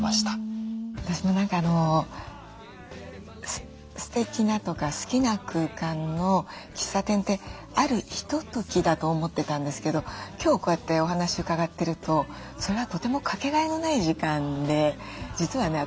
私も何かすてきなとか好きな空間の喫茶店ってあるひとときだと思ってたんですけど今日こうやってお話伺ってるとそれはとてもかけがえのない時間で実はね